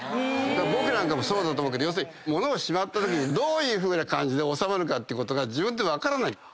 僕もそうだと思うけど要するに物をしまったときにどういうふうな感じで収まるかってことが自分で分からない。